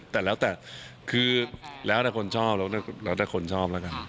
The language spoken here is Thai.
แต่แล้วแต่คือแล้วแต่คนชอบแล้วแต่คนชอบแล้วกัน